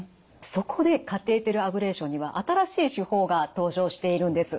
そこでカテーテルアブレーションには新しい手法が登場しているんです。